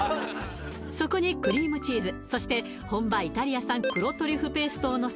そこにクリームチーズそして本場イタリア産黒トリュフペーストをのせ